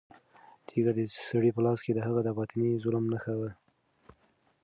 تیږه د سړي په لاس کې د هغه د باطني ظلم نښه وه.